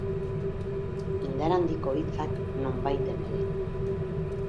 Indar handiko hitzak, nonbaiten ere.